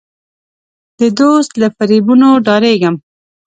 د دوست له فریبونو ډارېږم.